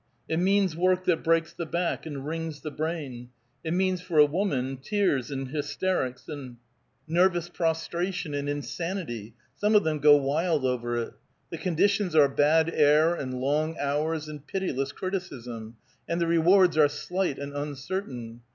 It means work that breaks the back and wrings the brain. It means for a woman, tears, and hysterics, and nervous prostration, and insanity some of them go wild over it. The conditions are bad air, and long hours, and pitiless criticism; and the rewards are slight and uncertain.